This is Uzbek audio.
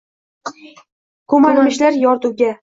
Ko’marmishlar yorduga.